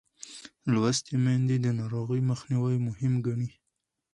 لوستې میندې د ناروغۍ مخنیوی مهم ګڼي.